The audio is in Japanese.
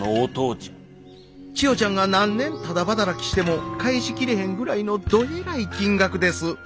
千代ちゃんが何年ただ働きしても返しきれへんぐらいのどえらい金額です。